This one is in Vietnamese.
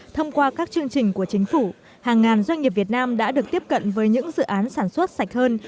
thông qua các chương trình của chính phủ hàng ngàn doanh nghiệp việt nam đã được tiếp cận với những dự án sản xuất sạch hơn